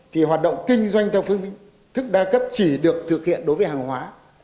thì hoạt động kinh doanh theo phương thức đa cấp chỉ được thực hiện đối với hàng hóa